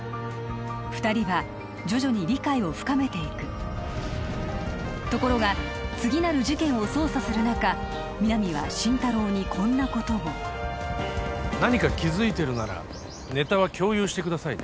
二人は徐々に理解を深めていくところが次なる事件を捜査する中皆実は心太朗にこんなことを何か気づいてるならネタは共有してくださいね